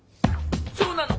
そうなの。